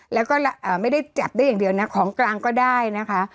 แล้วก็ไม่ได้จับได้อย่างเดียวนะของกลางก็ได้นะคะ